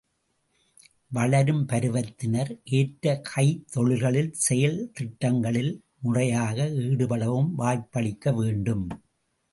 வளரும் பருவத்தினர், ஏற்ற கைத்தொழில்களில், செயல் திட்டங்களில், முறையாக ஈடுபடவும் வாய்ப்பளிக்கி வேண்டும்.